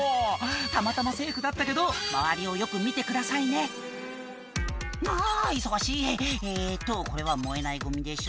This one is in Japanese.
たまたまセーフだったけど周りをよく見てくださいね「あぁ忙しい！」「えっとこれは燃えないゴミでしょ」